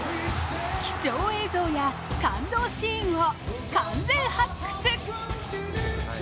貴重映像や感動シーンを完全発掘